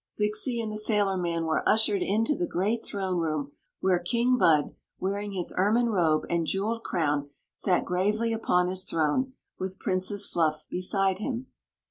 Zixi and the sailorman were ushered into the great throne room, where King Bud, wearing his ermine robe and jeweled crown, sat gravely upon his throne, with Princess Fluff beside him.